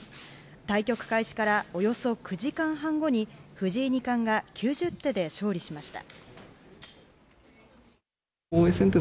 対局開始からおよそ９時間半後に藤井二冠が９０手で勝利しました。